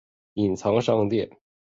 隐藏商店